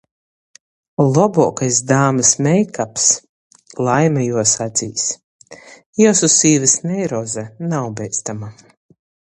Lobuokais dāmys meikaps - laime juos acīs! Jiusu sīvys neiroze nav beistama.